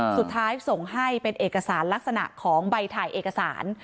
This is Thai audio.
สุดท้ายส่งให้เป็นเอกสารลักษณะของใบถ่ายเอกสาร